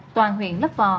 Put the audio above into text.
toàn huyện lấp vò